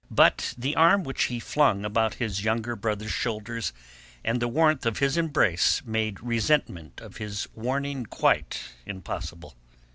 But the arm which he flung about his younger brother's shoulders and the warmth of his embrace made resentment of his warning quite impossible.